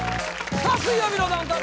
さあ「水曜日のダウンタウン」